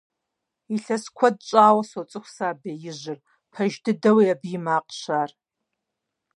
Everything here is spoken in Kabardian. Илъэс куэд щӀауэ соцӀыху сэ а беижьыр, пэж дыдэуи абы и макъщ ар.